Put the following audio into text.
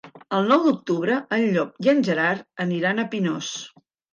El nou d'octubre en Llop i en Gerard aniran a Pinós.